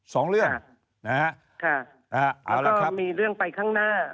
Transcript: สองเรื่องนะฮะค่ะนะฮะแล้วก็มีเรื่องไปข้างหน้า